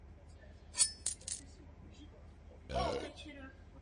Z valné většiny se mu to ale nepodařilo.